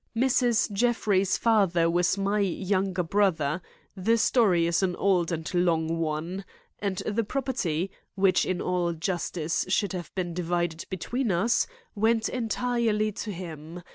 "Mrs. Jeffrey's father was my younger brother—the story is an old and long one—and the property, which in all justice should have been divided between us, went entirely to him.